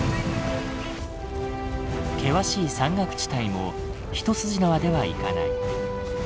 険しい山岳地帯も一筋縄ではいかない。